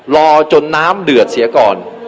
รอจนน้ำเดือดเสียก่อน